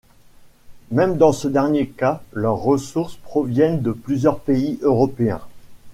Même dans ce dernier cas, leurs ressources proviennent de plusieurs pays européens.